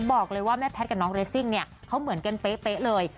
บอกเลยว่าแม่แพทย์กับน้องเรสซิ่งเนี่ยเขาเหมือนกันเป๊ะเลย